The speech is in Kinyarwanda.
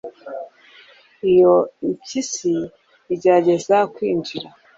iyo impyisi igerageza kwinjira